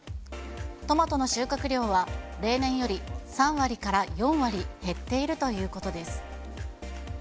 トマトの収穫量は、例年より３割から４割減っているということです。